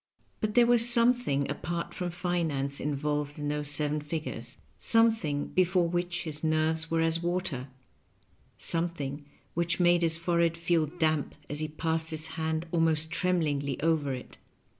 But there was something apart from finance involved in those seven figures — ^something before which his nerves were as water, something which made his forehead feel damp as he passed his hand almost tremblingly over it.